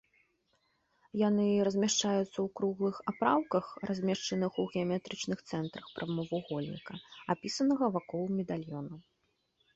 Яны размяшчаюцца ў круглых апраўках, размешчаных у геаметрычных цэнтрах прамавугольніка, апісанага вакол медальёна.